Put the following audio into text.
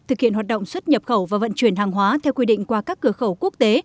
thực hiện hoạt động xuất nhập khẩu và vận chuyển hàng hóa theo quy định qua các cửa khẩu quốc tế